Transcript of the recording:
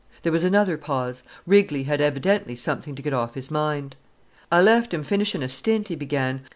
There was another pause. Rigley had evidently something to get off his mind: "Ah left 'im finishin' a stint," he began.